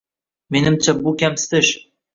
Menimcha, bu kamsitish